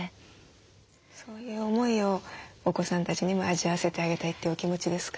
そういう思いをお子さんたちにも味わわせてあげたいってお気持ちですか？